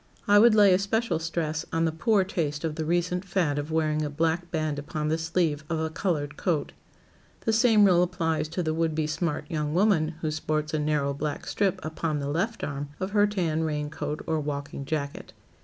I would lay especial stress on the poor taste of the recent fad of wearing a black band upon the sleeve of a colored coat. The same rule applies to the would be smart young woman who sports a narrow black strip upon the left arm of her tan rain coat or walking jacket.